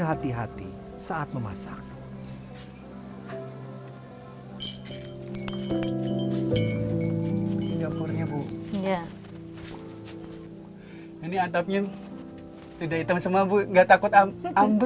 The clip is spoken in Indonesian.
kalau misalnya sedang masak karena sudah lapuk ya bu